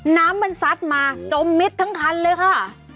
น้ำมันซัดมาจมมิดทั้งคันเลยค่ะ